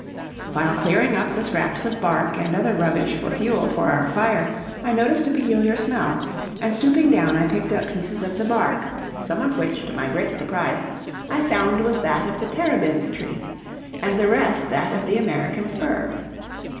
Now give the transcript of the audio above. While clearing up the scraps of bark and other rubbish for fuel for our fire, I noticed a peculiar smell, and stooping down I picked up pieces of the bark, some of which, to my great surprise, I found was that of the terebinth tree, and the rest that of the American fir.